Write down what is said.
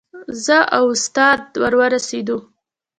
زه او استاد ور ورسېدو.